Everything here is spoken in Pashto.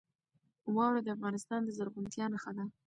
واوره د افغانستان د زرغونتیا نښه ده.